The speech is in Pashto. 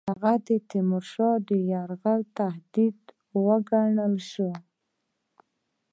هغه د تیمورشاه د یرغل تهدید وګڼل شو.